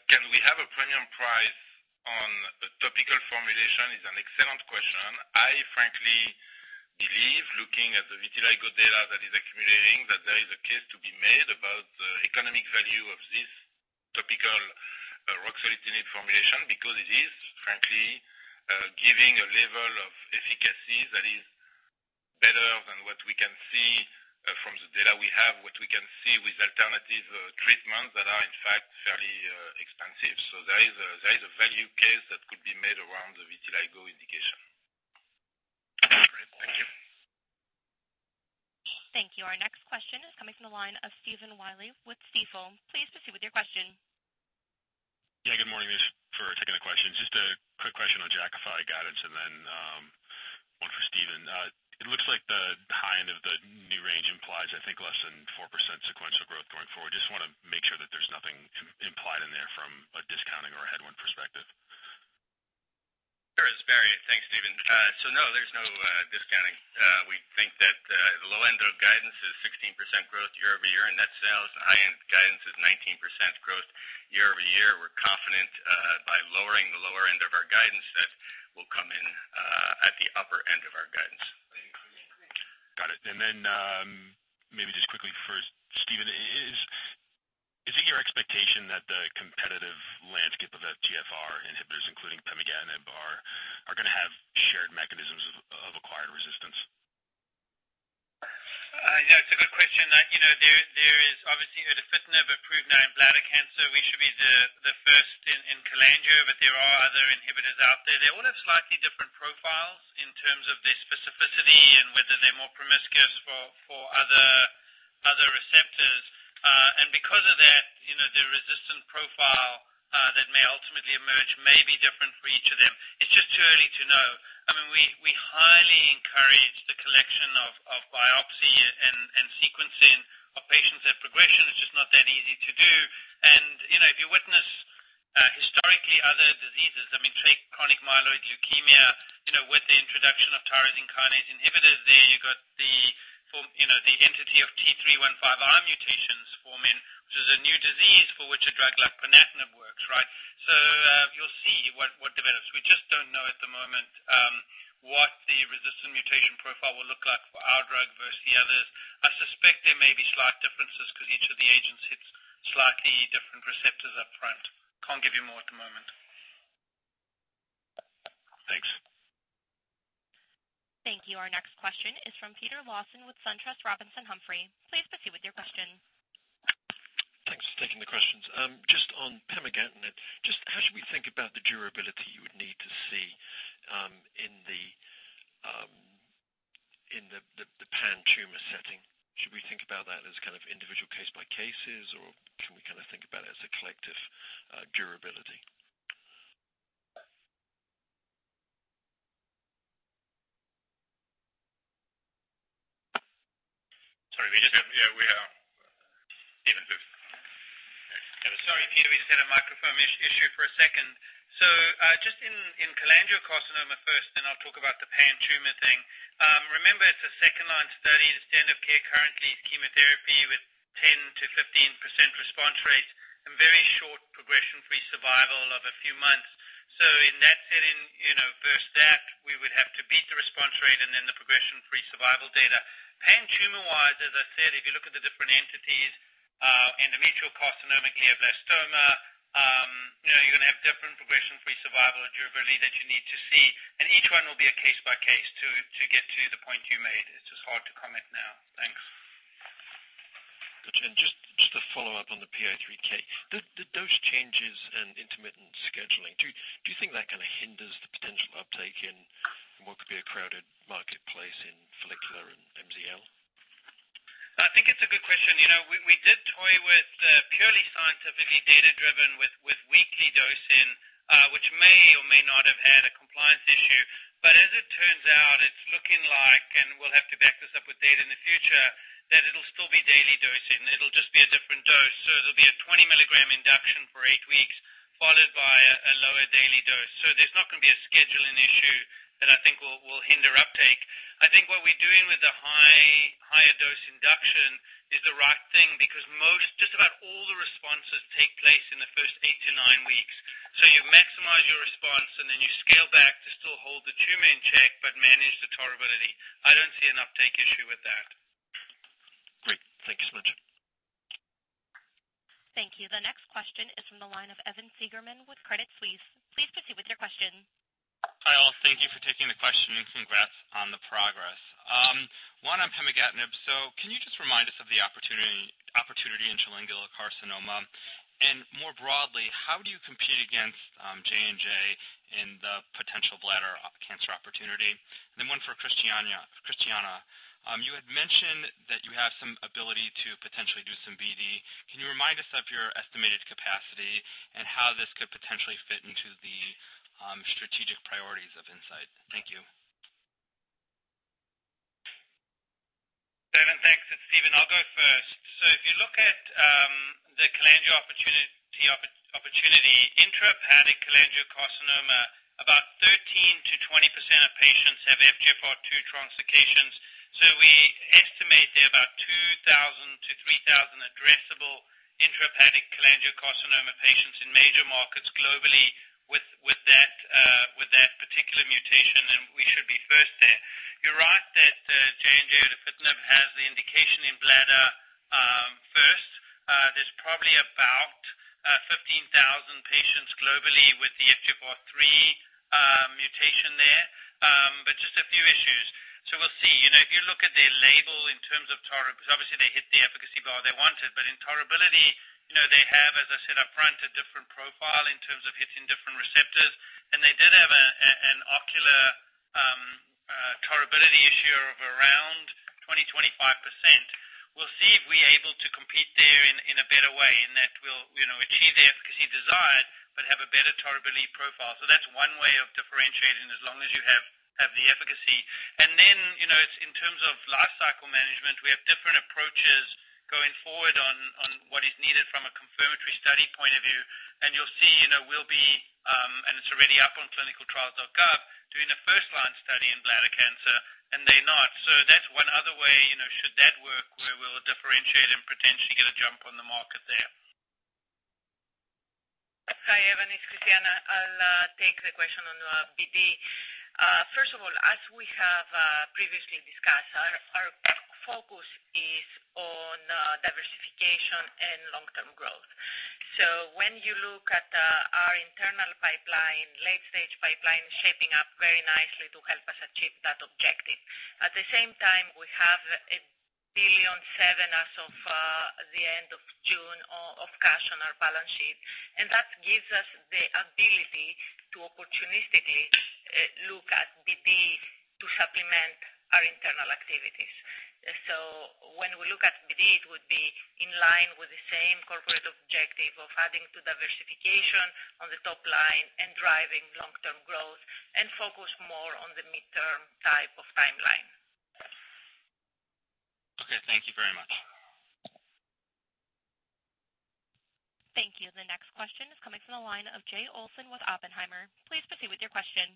Can we have a premium price on a topical formulation is an excellent question. I frankly believe, looking at the vitiligo data that is accumulating, that there is a case to be made about the economic value of this topical ruxolitinib formulation because it is frankly giving a level of efficacy that is better than what we can see from the data we have, what we can see with alternative treatments that are in fact fairly expensive. There is a value case that could be made around the vitiligo indication. Great. Thank you. Thank you. Our next question is coming from the line of Stephen Willey with Stifel. Please proceed with your question. Good morning. Thanks for taking the question. Just a quick question on Jakafi guidance and then one for Stephen. It looks like the high end of the new range implies, I think, less than 4% sequential growth going forward. Just want to make sure that there's nothing implied in there from a discounting or a headwind perspective. Sure. It's Barry. Thanks, Stephen. No, there's no discounting. We think that the low end of guidance is 16% growth year-over-year in net sales. The high-end guidance is 19% growth year-over-year. We're confident by lowering the lower end of our guidance that we'll come in at the upper end of our guidance. Got it. Maybe just quickly for Steven, is it your expectation that the competitive landscape of FGFR inhibitors, including pemigatinib, are going to have shared mechanisms of acquired resistance? Yeah, it's a good question. There is obviously erdafitinib approved now in bladder cancer. We should be the first in cholangio, there are other inhibitors out there. They all have slightly different profiles. In terms of their specificity and whether they're more promiscuous for other receptors. Because of that, the resistant profile that may ultimately emerge may be different for each of them. It's just too early to know. We highly encourage the collection of biopsy and sequencing of patients at progression. It's just not that easy to do. If you witness historically other diseases, take chronic myeloid leukemia, with the introduction of tyrosine kinase inhibitors there, you got the entity of T315I mutations forming, which is a new disease for which a drug like ponatinib works. You'll see what develops. We just don't know at the moment what the resistant mutation profile will look like for our drug versus the others. I suspect there may be slight differences because each of the agents hits slightly different receptors up front. Can't give you more at the moment. Thanks. Thank you. Our next question is from Peter Lawson with SunTrust Robinson Humphrey. Please proceed with your question. Thanks for taking the questions. Just on pemigatinib, just how should we think about the durability you would need to see in the pan-tumor setting? Should we think about that as individual case by cases, or can we think about it as a collective durability? Sorry, Peter, we just had a microphone issue for a second. Just in cholangiocarcinoma first, then I'll talk about the pan-tumor thing. Remember, it's a second-line study. The standard of care currently is chemotherapy with 10%-15% response rates and very short progression-free survival of a few months. In that setting, versus that, we would have to beat the response rate and then the progression-free survival data. Pan-tumor wise, as I said, if you look at the different entities, endometrial carcinoma, glioblastoma, you're going to have different progression-free survival and durability that you need to see. Each one will be a case by case to get to the point you made. It's just hard to comment now. Thanks. Got you. Just to follow up on the PI3K, the dose changes and intermittent scheduling, do you think that kind of hinders the potential uptake in what could be a crowded marketplace in follicular and MZL? I think it's a good question. We did toy with purely scientifically data-driven with weekly dosing, which may or may not have had a compliance issue. As it turns out, it's looking like, and we'll have to back this up with data in the future, that it'll still be daily dosing. It'll just be a different dose. It'll be a 20 mg induction for eight weeks, followed by a lower daily dose. There's not going to be a scheduling issue that I think will hinder uptake. I think what we're doing with the higher dose induction is the right thing because just about all the responses take place in the first eight to nine weeks. You maximize your response and then you scale back to still hold the tumor in check, but manage the tolerability. I don't see an uptake issue with that. Great. Thank you so much. Thank you. The next question is from the line of Evan Seigerman with Credit Suisse. Please proceed with your question. Hi, all. Thank you for taking the question and congrats on the progress. One on pemigatinib. Can you just remind us of the opportunity in cholangiocarcinoma? More broadly, how do you compete against J&J in the potential bladder cancer opportunity? One for Christiana. You had mentioned that you have some ability to potentially do some BD. Can you remind us of your estimated capacity and how this could potentially fit into the strategic priorities of Incyte? Thank you. Evan, thanks. It's Steven. If you look at the cholangio opportunity, intrahepatic cholangiocarcinoma, about 13%-20% of patients have FGFR2 translocations. We estimate there are about 2,000-3,000 addressable intrahepatic cholangiocarcinoma patients in major markets globally with that particular mutation, and we should be first there. You're right that J&J erdafitinib has the indication in bladder first. There's probably about 15,000 patients globally with the FGFR3 mutation there. Just a few issues. We'll see. If you look at their label in terms of because obviously they hit the efficacy bar they wanted, but in tolerability, they have, as I said upfront, a different profile in terms of hitting different receptors. They did have an ocular tolerability issue of around 20%-25%. We'll see if we're able to compete there in a better way, in that we'll achieve the efficacy desired but have a better tolerability profile. That's one way of differentiating as long as you have the efficacy. In terms of life cycle management, we have different approaches going forward on what is needed from a confirmatory study point of view. You'll see, it's already up on clinicaltrials.gov, doing a first-line study in bladder cancer, and they're not. That's one other way, should that work, where we'll differentiate and potentially get a jump on the market there. Hi, Evan, it's Christiana. I'll take the question on BD. First of all, as we have previously discussed, our focus is on diversification and long-term growth. When you look at our internal pipeline, late-stage pipeline shaping up very nicely to help us achieve that. At the same time, we have $1.7 billion as of the end of June of cash on our balance sheet, and that gives us the ability to opportunistically look at BDs to supplement our internal activities. When we look at BD, it would be in line with the same corporate objective of adding to diversification on the top line and driving long-term growth and focus more on the midterm type of timeline. Okay. Thank you very much. Thank you. The next question is coming from the line of Jay Olson with Oppenheimer. Please proceed with your question.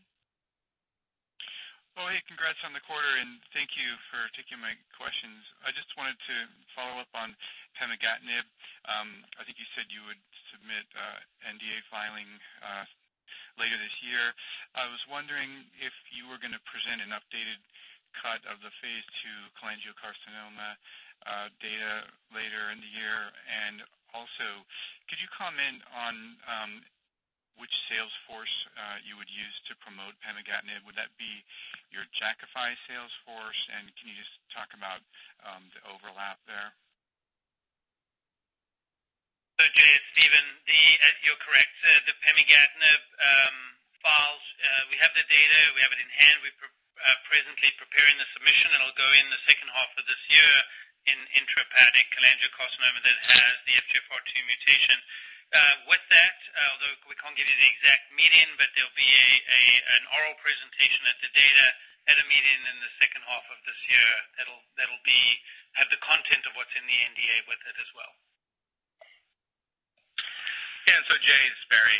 Oh, hey. Congrats on the quarter, and thank you for taking my questions. I just wanted to follow up on pemigatinib. I think you said you would submit NDA filing later this year. I was wondering if you were going to present an updated cut of the phase II cholangiocarcinoma data later in the year. Could you comment on which sales force you would use to promote pemigatinib? Would that be your Jakafi sales force, and can you just talk about the overlap there? Jay, it's Steven. You're correct. The pemigatinib files, we have the data. We have it in hand. We're presently preparing the submission that'll go in the second half of this year in intrahepatic cholangiocarcinoma that has the FGFR2 mutation. With that, although we can't give you the exact meeting, there'll be an oral presentation at the data at a meeting in the second half of this year that'll have the content of what's in the NDA with it as well. Yeah. Jay, it's Barry.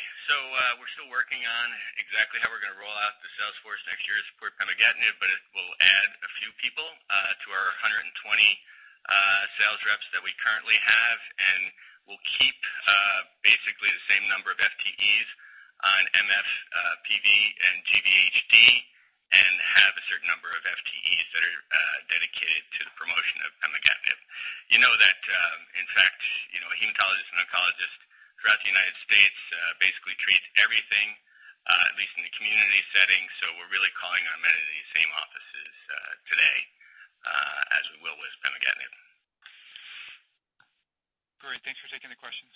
We're still working on exactly how we're going to roll out the sales force next year to support pemigatinib, but it will add a few people to our 120 sales reps that we currently have. We'll keep basically the same number of FTEs on MF, PV, and GVHD and have a certain number of FTEs that are dedicated to the promotion of pemigatinib. You know that, in fact, a hematologist and oncologist throughout the United States basically treats everything, at least in the community setting. We're really calling on many of these same offices today as we will with pemigatinib. Great. Thanks for taking the questions.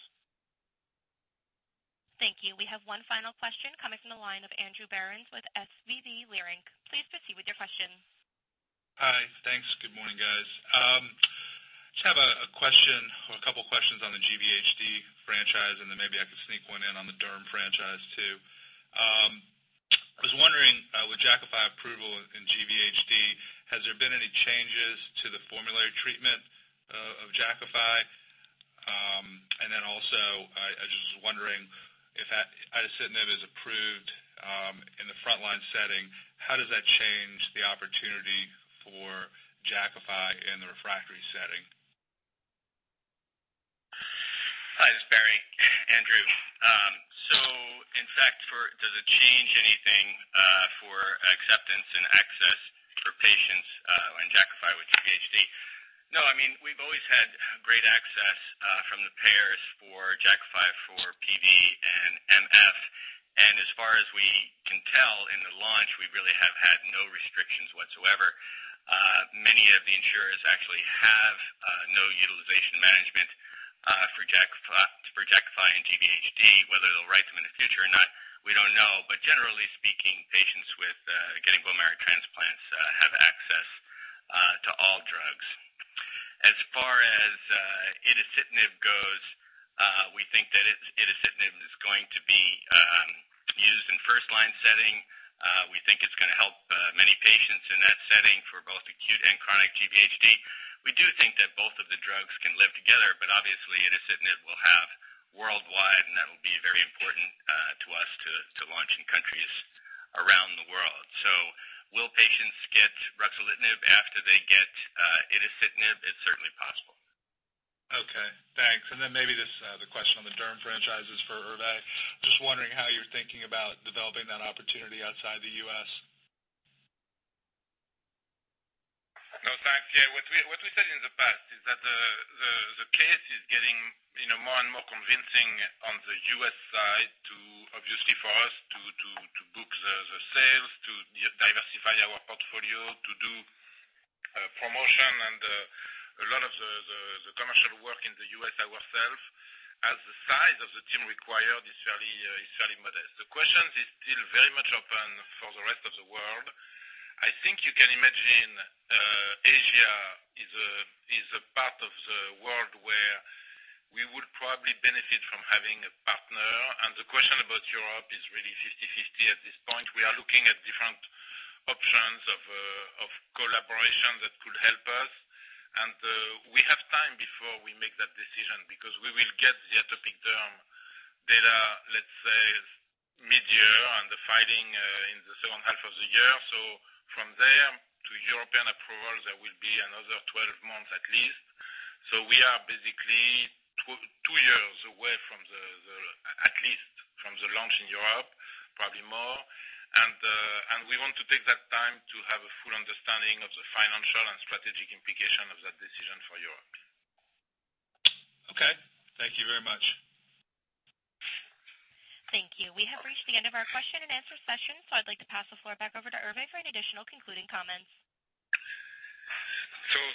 Thank you. We have one final question coming from the line of Andrew Berens with SVB Leerink. Please proceed with your question. Hi. Thanks. Good morning, guys. Just have a question or a couple of questions on the GVHD franchise, and then maybe I could sneak one in on the derm franchise, too. I was wondering with Jakafi approval in GVHD, has there been any changes to the formulary treatment of Jakafi? Also, I just was wondering if itacitinib is approved in the frontline setting, how does that change the opportunity for Jakafi in the refractory setting? Hi, this is Barry. Andrew. In fact, does it change anything for acceptance and access for patients on Jakafi with GVHD? No, we've always had great access from the payers for Jakafi for PV and MF. As far as we can tell in the launch, we really have had no restrictions whatsoever. Many of the insurers actually have no utilization management for Jakafi in GVHD. Whether they'll write them in the future or not, we don't know. Generally speaking, patients getting bone marrow transplants have access to all drugs. As far as itacitinib goes, we think that itacitinib is going to be used in first-line setting. We think it's going to help many patients in that setting for both acute and chronic GVHD. We do think that both of the drugs can live together, but obviously itacitinib will have worldwide, and that will be very important to us to launch in countries around the world. Will patients get ruxolitinib after they get itacitinib? It's certainly possible. Okay, thanks. Maybe the question on the derm franchise is for Hervé. Just wondering how you're thinking about developing that opportunity outside the U.S. No, thanks. Yeah. What we said in the past is that the case is getting more and more convincing on the U.S. side to obviously for us to book the sales, to diversify our portfolio, to do promotion and a lot of the commercial work in the U.S. ourselves as the size of the team required is fairly modest. The question is still very much open for the rest of the world. I think you can imagine Asia is a part of the world where we would probably benefit from having a partner. The question about Europe is really 50/50 at this point. We are looking at different options of collaboration that could help us. We have time before we make that decision because we will get the atopic derm data, let's say, mid-year and the filing in the second half of the year. From there to European approval, there will be another 12 months at least. We are basically two years away, at least, from the launch in Europe, probably more. We want to take that time to have a full understanding of the financial and strategic implication of that decision for Europe. Okay. Thank you very much. Thank you. We have reached the end of our question and answer session. I'd like to pass the floor back over to Hervé for any additional concluding comments.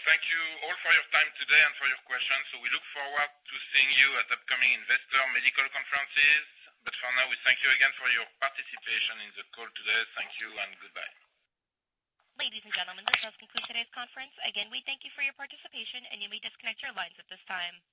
Thank you all for your time today and for your questions. We look forward to seeing you at upcoming investor medical conferences. For now, we thank you again for your participation in the call today. Thank you and goodbye. Ladies and gentlemen, this does conclude today's conference. We thank you for your participation, and you may disconnect your lines at this time.